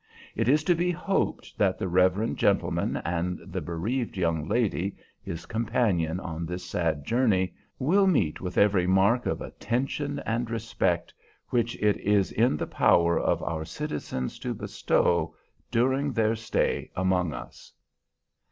It is to be hoped that the reverend gentleman and the bereaved young lady, his companion on this sad journey, will meet with every mark of attention and respect which it is in the power of our citizens to bestow, during their stay among us."